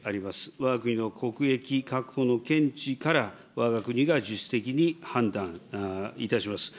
わが国の国益確保の見地から、わが国が自主的に判断いたします。